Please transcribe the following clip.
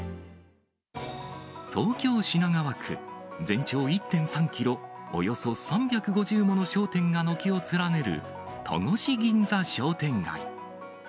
東京・品川区、全長１．３キロ、およそ３５０もの商店が軒を連ねる戸越銀座商店街。